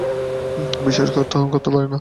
বিশ্বাস করতে পারো না!